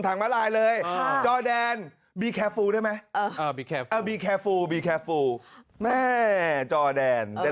ถังมาลายเลยอ่าจอดแดนได้ไหมอ่าอ่าอ่าอ่าแม่จอดแดนได้